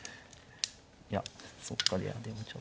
いやそっかいやでもちょっと本譜はそっか。